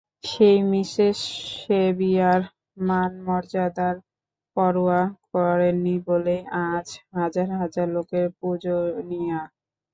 সেই মিসেস সেভিয়ার মান-মর্যাদার পরোয়া করেননি বলেই আজ হাজার হাজার লোকের পূজনীয়া।